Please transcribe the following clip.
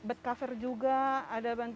ada bantuan kasur juga banyak banyak banget